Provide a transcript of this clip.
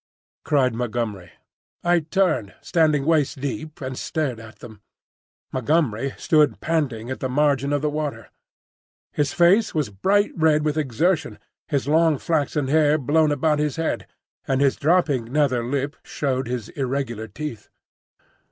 cried Montgomery. I turned, standing waist deep, and stared at them. Montgomery stood panting at the margin of the water. His face was bright red with exertion, his long flaxen hair blown about his head, and his dropping nether lip showed his irregular teeth.